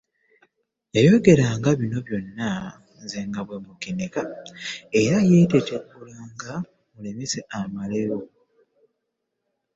Yayogeranga bino byonna nze nga mmukeneka era yeeteteggulanga mmulese amaleyo.